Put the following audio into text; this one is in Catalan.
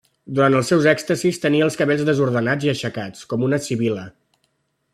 Durant els seus èxtasis tenia els cabells desordenats i aixecats, com una sibil·la.